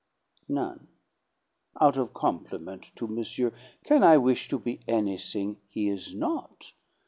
None. Out of compliment to monsieur can I wish to be anything he is not?